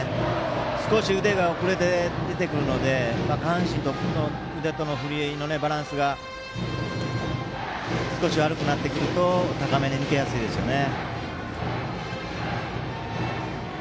少し腕が遅れて出てくるので下半身と腕の振りのバランスが少しずれてきてるので高めに抜けやすいですよね。